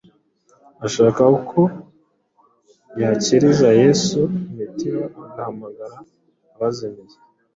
Ashaka uko yakiriza Yesu imitima agahamagara abazimiye